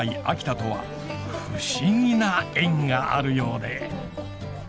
秋田とは不思議な縁があるようで。